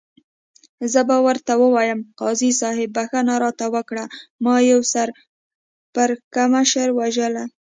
زه به ورته ووایم، قاضي صاحب بخښنه راته وکړه، ما یو سر پړکمشر وژلی.